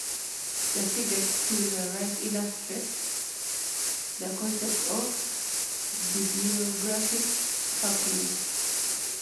The figure to the right illustrates the concept of bibliographic coupling.